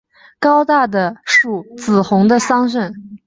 高大的皂荚树，紫红的桑葚